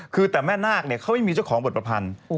คือแต่แม่นาคเขาไม่มีเจ้าของบทประพันธ์